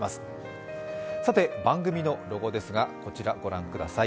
番組のロゴですが、こちら御覧ください。